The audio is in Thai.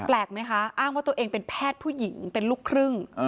ไหมคะอ้างว่าตัวเองเป็นแพทย์ผู้หญิงเป็นลูกครึ่ง